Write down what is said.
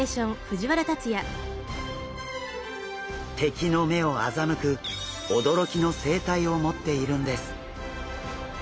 敵の目を欺く驚きの生態を持っているんです。